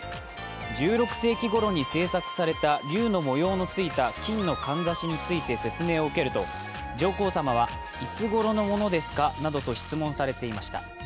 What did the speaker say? １６世紀ごろに制作された龍の模様のついた金のかんざしについて説明を受けると、上皇さまは、いつごろのものですかなどと質問されていました。